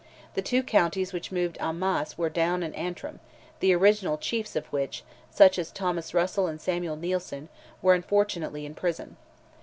The two counties which moved en masse were Down and Antrim, the original chiefs of which, such as Thomas Russell and Samuel Neilson, were unfortunately in prison.